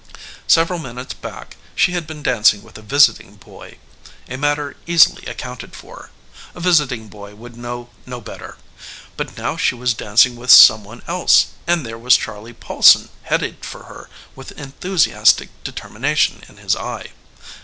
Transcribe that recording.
Several minutes back she had been dancing with a visiting boy, a matter easily accounted for; a visiting boy would know no better. But now she was dancing with some one else, and there was Charley Paulson headed for her with enthusiastic determination in his eye.